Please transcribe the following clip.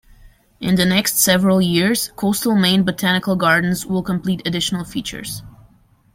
In the next several years, Coastal Maine Botanical Gardens will complete additional features.